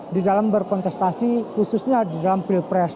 di dalam berkontestasi khususnya di dalam pilpres